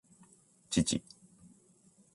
父